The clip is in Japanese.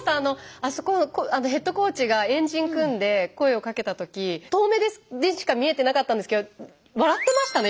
あそこヘッドコーチが円陣組んで声をかけた時遠目でしか見えてなかったんですけど笑ってましたね